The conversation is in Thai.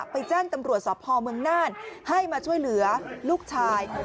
แจ้งตำรวจสพเมืองน่านให้มาช่วยเหลือลูกชาย